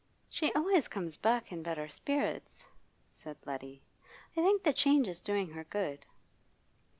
'She always comes back in better spirits,' said Letty. 'I think the change is doing her good.